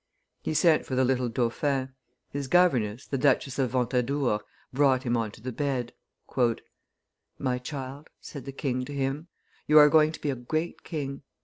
He sent for the little dauphin. His governess, the Duchess of Ventadour, brought him on to the bed. "My child," said the king to him, "you are going to be a great king.